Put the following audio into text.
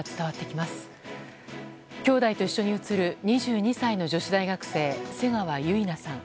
きょうだいと一緒に写る２２歳の女子大学生瀬川結菜さん。